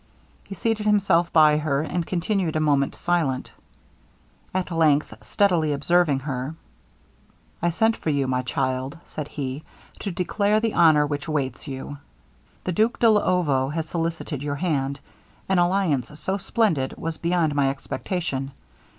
He seated himself by her, and continued a moment silent. At length, steadily observing her, 'I sent for you, my child,' said he, 'to declare the honor which awaits you. The Duke de Luovo has solicited your hand. An alliance so splendid was beyond my expectation.